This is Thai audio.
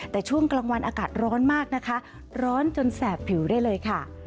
แต่ช่วงกลางวันอากาศร้อนมากนะคะร้อนจนแสบผิวได้เลยค่ะ